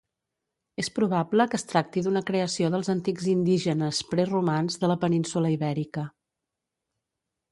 És probable que es tracti d'una creació dels antics indígenes preromans de la península Ibèrica.